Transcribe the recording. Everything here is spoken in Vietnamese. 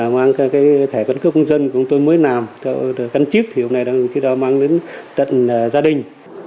mang thẻ căn cước công dân của tôi mới làm căn chíp thì hôm nay đồng chí đã mang đến tận gia đình